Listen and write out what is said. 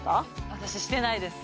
私してないです